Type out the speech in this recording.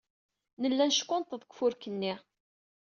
Nella neckunṭeḍ deg ufurk-nni.